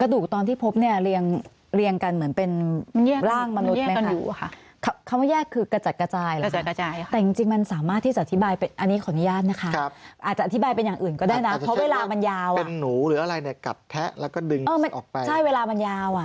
กระดูกตอนที่พบเนี่ยเรียงกันเหมือนเป็นร่างมนุษย์มันแยกกันอยู่ค่ะคำว่าแยกคือกระจัดกระจายแต่จริงมันสามารถที่จะอธิบายเป็นอันนี้ขออนุญาตนะคะอาจจะอธิบายเป็นอย่างอื่นก็ได้นะเพราะเวลามันยาวอ่ะ